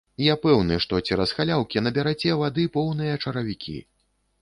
Я пэўны, што цераз халяўкі набераце вады поўныя чаравікі.